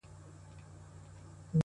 خپل سبا د نن په عمل جوړ کړئ’